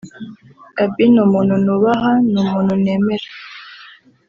Gaby ni umuntu nubaha ni umuntu nemera